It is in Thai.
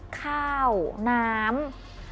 ข้าวน้ำ